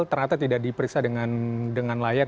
ternyata tidak diperiksa dengan layak